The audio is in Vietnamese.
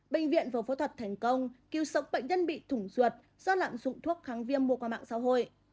bệnh viện vừa phẫu thuật thành công cứu sống bệnh nhân bị thủng ruột do lạm dụng thuốc kháng viêm mua qua mạng xã hội